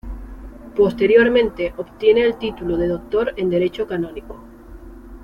Posteriormente obtiene el título de Doctor en Derecho canónico.